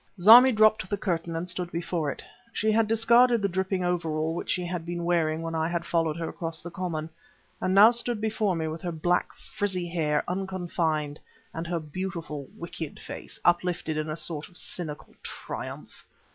Zarmi dropped the curtain and stood before it. She had discarded the dripping overall which she had been wearing when I had followed her across the common, and now stood before me with her black, frizzy hair unconfined and her beautiful, wicked face uplifted in a sort of cynical triumph.